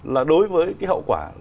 là đối với cái hậu quả